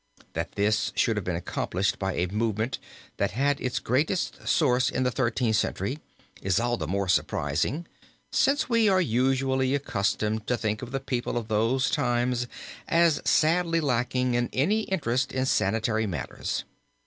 That this should have been accomplished by a movement that had its greatest source in the Thirteenth Century, is all the more surprising, since we are usually accustomed to think of the people of those times, as sadly lacking in any interest in sanitary matters.